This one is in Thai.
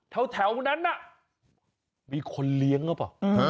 แถวนั้นน่ะมีคนเลี้ยงหรือเปล่า